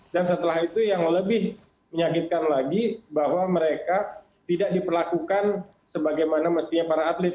dan setelah itu yang lebih menyakitkan lagi bahwa mereka tidak diperlakukan sebagaimana mestinya para atlet